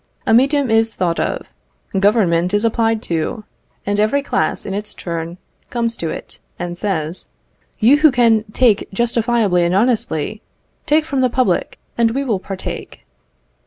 A medium is thought of; Government is applied to, and every class in its turn comes to it, and says, "You, who can take justifiably and honestly, take from the public, and we will partake."